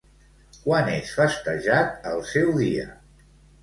Quan és festejat el seu dia?